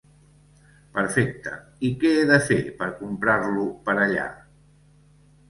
Perfecte, i què he de fer per comprar-lo per allà?